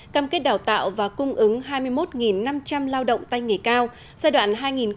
cam kết đào tạo và cung ứng hai mươi một năm trăm linh lao động tay nghề cao giai đoạn hai nghìn một mươi sáu hai nghìn hai mươi năm